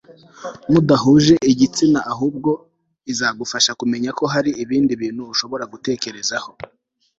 mudahuje igitsina Ahubwo izagufasha kumenya ko hari ibindi bintu ushobora gutekerezaho